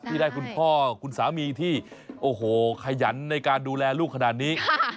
ที่ได้คุณพ่อคุณสามีที่โอ้โหขยันในการดูแลลูกขนาดนี้